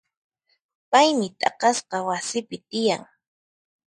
Paymi t'aqasqa wasipi tiyan.